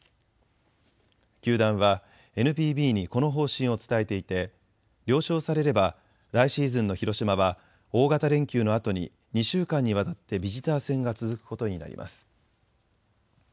球団はＮＰＢにこの方針を伝えていて了承されれば来シーズンの広島は大型連休のあとに２週間にわたってビジター戦が続くことになります。